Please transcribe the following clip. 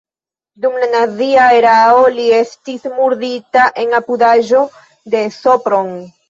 Dum la nazia erao li estis murdita en apudaĵo de Sopron.